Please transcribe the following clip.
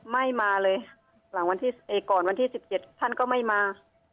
ไม่มาเลยหลังก่อนวันที่๑๗ท่านก็ไม่มา